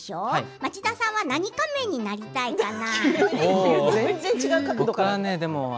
町田さんは何仮面になりたいかな？